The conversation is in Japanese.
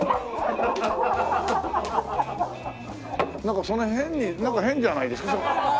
なんかその変になんか変じゃないですか？